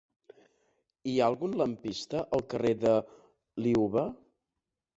Hi ha algun lampista al carrer de Liuva?